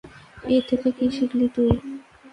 এ থেকে কী শিখলি তুই?